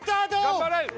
頑張れ！